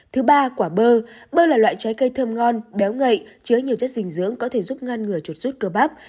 thứ ba quả bơ bơ là loại trái cây thơm ngon béo ngậy chứa nhiều chất dình dưỡng có thể giúp ngăn ngừa chùa sút cơ bắp